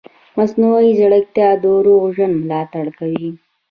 مصنوعي ځیرکتیا د روغ ژوند ملاتړ کوي.